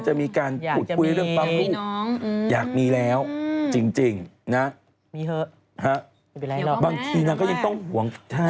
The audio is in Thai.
จะมีการพูดคุยเรื่องปั๊มลูกอยากมีแล้วจริงนะมีเถอะบางทีนางก็ยังต้องห่วง